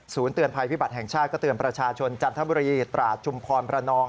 เตือนภัยพิบัติแห่งชาติก็เตือนประชาชนจันทบุรีตราดชุมพรประนอง